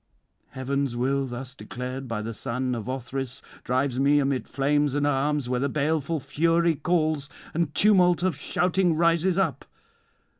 'Heaven's will thus declared by the son of Othrys drives me amid flames and arms, where the baleful Fury calls, and tumult of shouting rises up.